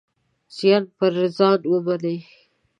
زیان پر ځان ومني.